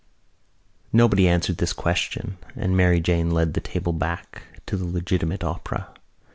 Nobody answered this question and Mary Jane led the table back to the legitimate opera.